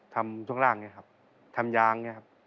ทำช่วงร่างอย่างนี้ครับทำยางอย่างนี้ครับ